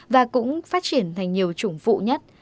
và cũng phát triển thành nhiều chủng vụ nhất